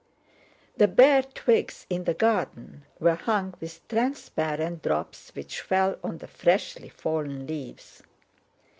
The bare twigs in the garden were hung with transparent drops which fell on the freshly fallen leaves.